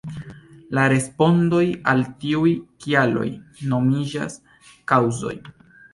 La respondoj al tiuj kialoj nomiĝas “kaŭzoj”.